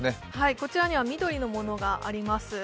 こちらには緑のものがあります。